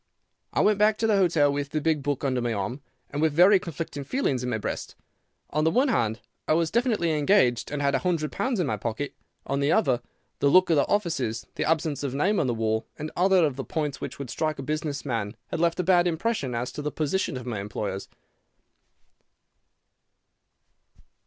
"I went back to the hotel with the big book under my arm, and with very conflicting feelings in my breast. On the one hand, I was definitely engaged and had a hundred pounds in my pocket; on the other, the look of the offices, the absence of name on the wall, and other of the points which would strike a business man had left a bad impression as to the position of my employers.